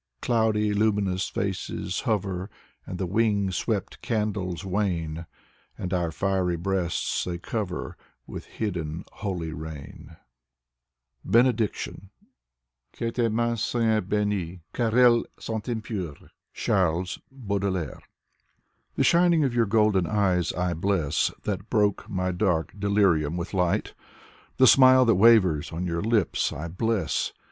Cloudy luminous faces hover, And the wing swept candles wane. And our fiery breasts they cover As with hidden holy rain. 84 Valery Brusov BENEDICTION Que tes mains soient benies, car elles sont impures. Charles Baudelaire. The shining of your golden eyes I bless ! That broke my dark delirium with light. The smile that wavers on your lips I bless!